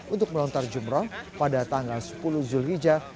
untuk melontar jumroh pada tanggal sepuluh zulhijjah